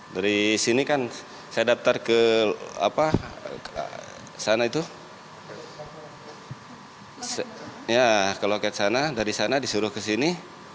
dari sini kan saya daftar ke loket sana disuruh kesini